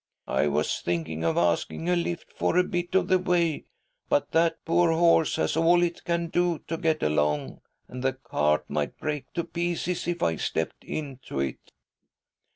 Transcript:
" I was thinking of asking a lift for a bit of the way, but that poor horse has all it can do to get along, and the cart might break to pieces if I stepped into it."